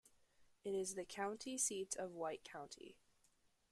It is the county seat of White County.